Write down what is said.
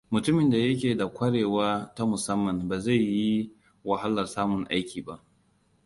Mutumin da yake da ƙwarewa ta musamman ba zai yi wahalar samun aiki ba.